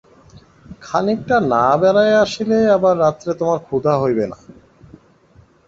খানিকটা না বেড়াইয়া আসিলে আবার রাত্রে তোমার ক্ষুধা হইবে না।